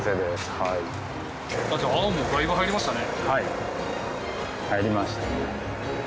はい入りましたね。